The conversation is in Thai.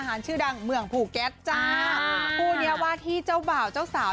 คู่นี้ว่าที่เจ้าบ่าวเจ้าสาว